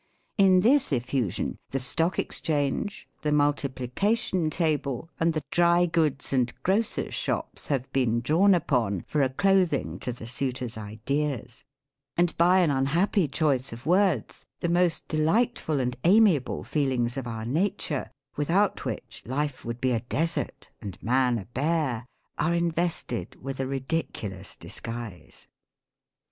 In this effusion the Stock Exchange, the multiplica tion table, and the dry goods and grocer's shops have been drawn upon for a clothing to the suitor's ideas ; and by an unhappy choice of words, the most delightful and amiable feelings of our nature, without which life would be a desert and man a bear, are invested with a ridiculous disguise.